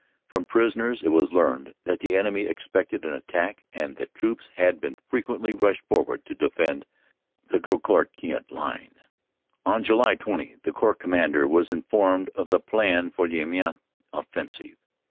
From prisoners it was learned that the enemy expected an attack and that troops had been frequently rushed forward to defend the Drocourt Queant Line. FROM ARRAS TO AMIENS 17 On July 20 the Corps Commander was informed of the plan for the Amiens offensive.